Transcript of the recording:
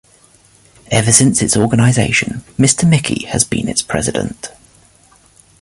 Ever since its organization Mr. Mickey has been its president.